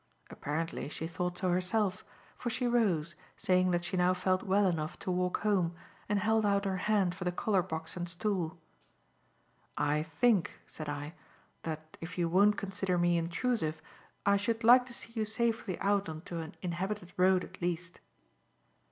Apparently she thought so herself, for she rose, saying that she now felt well enough to walk home, and held out her hand for the colour box and stool. "I think," said I, "that if you won't consider me intrusive, I should like to see you safely out on to an inhabited road at least."